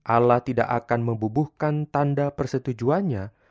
allah tidak akan membubuhkan tanda persetujuannya